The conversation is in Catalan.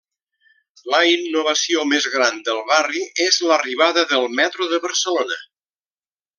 La innovació més gran del barri és l'arribada del Metro de Barcelona.